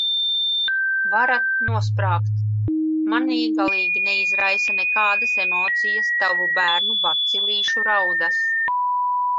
Varat nosprāgt, manī galīgi neizraisa nekādas emocijas tavu bērnu bacilīšu raudas.